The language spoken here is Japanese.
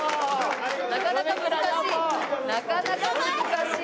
なかなか難しい。